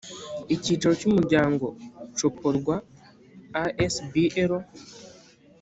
icyicaro cy’umuryango coporwa asbl